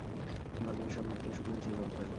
বাজারে সব উঠতে শুরু হয়েছে জলপাই।